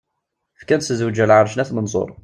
Fkan-tt tezwzǧ ar Lɛerc n At Menṣuṛ.